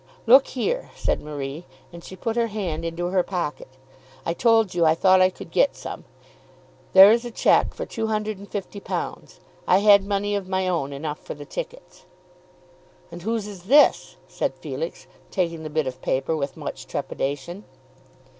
"Look here," said Marie, and she put her hand into her pocket. "I told you I thought I could get some. There is a cheque for two hundred and fifty pounds. I had money of my own enough for the tickets." "And whose is this?" said Felix, taking the bit of paper with much trepidation.